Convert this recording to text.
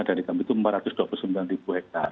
dari kami itu empat ratus dua puluh sembilan hektar